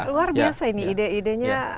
luar biasa ini ide idenya